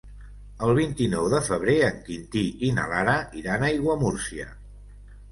El vint-i-nou de febrer en Quintí i na Lara iran a Aiguamúrcia.